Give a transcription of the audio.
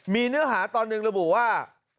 มีเนื้อหาตอนหนึ่งระบุว่า